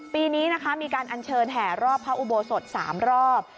ปีนี้นะคะมีการอัญเชิญแห่รอบพระอุโบสถ๓รอบ